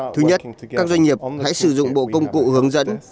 thứ nhất các doanh nghiệp hãy sử dụng bộ công cụ hướng dẫn